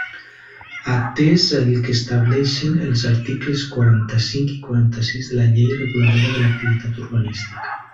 Atés al que establixen els articles quaranta-cinc i quaranta-sis de la Llei reguladora de l'activitat urbanística.